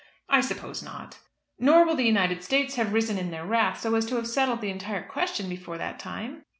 "I suppose not." "Nor will the United States have risen in their wrath so as to have settled the entire question before that time?"